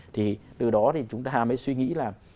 thì từ đó thì chúng ta mới suy nghĩ là